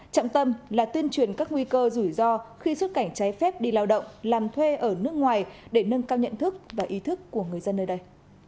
trọng tâm là tuyên truyền các nguy cơ rủi ro khi xuất cảnh trái phép đi lao động làm thuê ở nước ngoài để nâng cao nhận thức và ý thức của người dân nơi đây